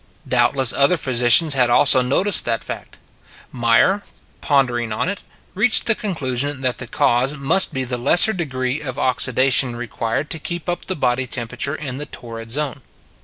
Doubtless other physicians had also noticed that fact. Meyer, pondering on it, reached the conclusion that the cause must be the lesser degree of oxidation required to keep up the body temperature in the torrid zone.